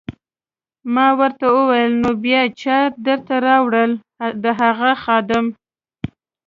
ما ورته وویل: نو بیا چا درته راوړل؟ د هغه خادم.